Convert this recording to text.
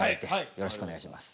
よろしくお願いします。